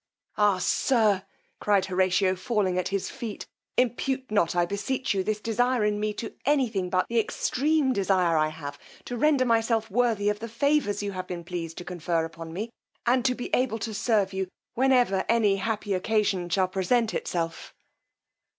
Ah sir! cried Horatio, falling at his feet, impute not, I beseech you, this desire in me to any thing but the extreme desire I have to render myself worthy of the favours you have been pleased to confer upon me, and to be able to serve you whenever any happy occasion shall present itself.